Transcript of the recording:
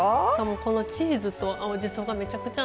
このチーズと青じそがめちゃくちゃ合います。